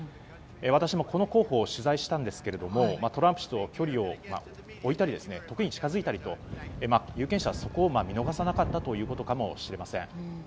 私もこの候補を取材したんですがトランプ氏と距離を置いたり時に近づいたりと有権者はそこを見逃さなかったということかもしれません。